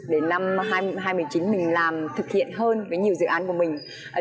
đến năm hai nghìn một mươi chín mình làm thực hiện hơn với nhiều dự án của mình